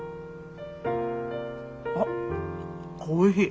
あっおいしい。